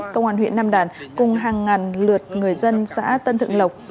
công an huyện nam đàn cùng hàng ngàn lượt người dân xã tân thượng lộc